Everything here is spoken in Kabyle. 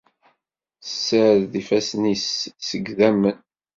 Tessared ifassen-is seg idammen.